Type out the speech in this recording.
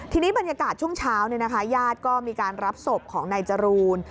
ทีนี้บรรยากาศช่วงเช้าญาติก็มีการรับศพของนายจรูน